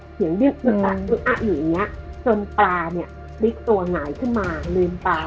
เขียงดึงอืมอ่ะอยู่เนี้ยจนปลานี่รีกตัวหายขึ้นมาเลนตา